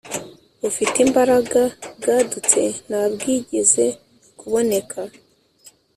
bufite imbaraga bwadutse Nta bwigeze kuboneka